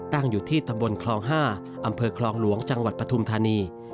ตั้งอยู่ที่ตำบลคลอง๕อำเภอคลองหลวงจังหวัดปฐุมธานี